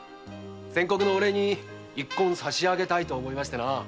お礼に一献さしあげたいと思いましてな。